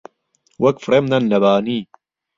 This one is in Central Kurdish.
وەک فڕێم دەن لە بانی